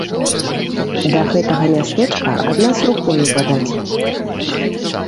Да гэтага мястэчка ад нас рукою падаць.